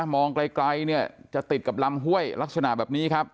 มองไกลเนี่ยจะติดกับลำห้วยลักษณะแบบนี้ครับ